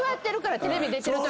テレビ出てるとき。